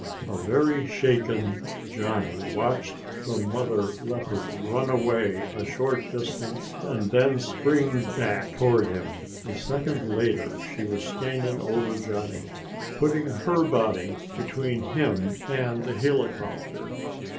A very shaken Johnny watched the mother leopard run away a short distance, then turn and spring back toward him. A second later she was standing over Johnny, putting her body between him and the helicopter.